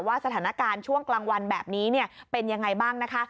สถานการณ์ช่วงกลางวันแบบนี้เป็นยังไงบ้างนะคะ